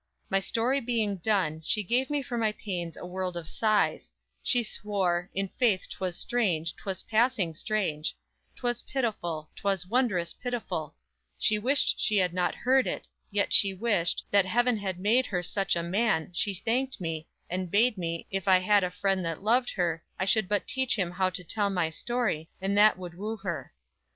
My story being done She gave me for my pains a world of sighs; She swore in faith, 'twas strange, 'twas passing strange; 'Twas pitiful; 'twas wondrous pitiful; She wished she had not heard it; yet she wished, That heaven had made her such a man, she thanked me, And bade me, if I had a friend that loved her, I should but teach him how to tell my story, And that would woo her.